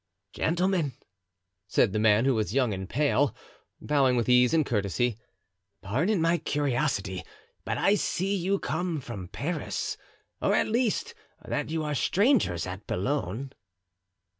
"Gentlemen," said the man, who was young and pale, bowing with ease and courtesy, "pardon my curiosity, but I see you come from Paris, or at least that you are strangers at Boulogne."